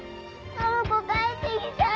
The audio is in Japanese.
展子帰ってきたよ。